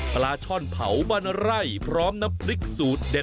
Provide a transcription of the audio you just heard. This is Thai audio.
ปลาช่อนเผาบ้านไร่พร้อมน้ำพริกสูตรเด็ด